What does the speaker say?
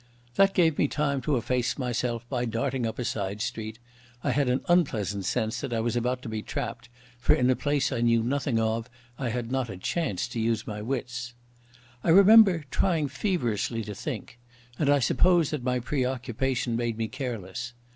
That gave me time to efface myself by darting up a side street. I had an unpleasant sense that I was about to be trapped, for in a place I knew nothing of I had not a chance to use my wits. I remember trying feverishly to think, and I suppose that my preoccupation made me careless.